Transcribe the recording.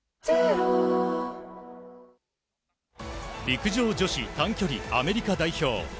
陸上女子短距離、アメリカ代表